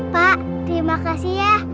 pak terima kasih ya